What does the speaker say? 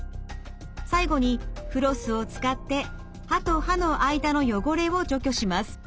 最後にフロスを使って歯と歯の間の汚れを除去します。